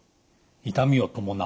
痛みを伴う。